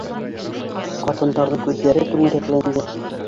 Ҡатындарҙың күҙҙәре түңәрәкләнде: